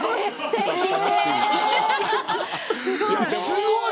すごい！